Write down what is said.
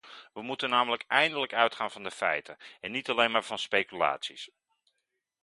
We moeten namelijk eindelijk uitgaan van de feiten, en niet alleen maar van speculaties.